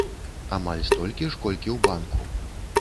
Амаль столькі ж, колькі ў банку.